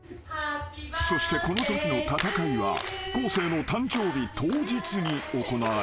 ［そしてこのときの戦いは昴生の誕生日当日に行われた］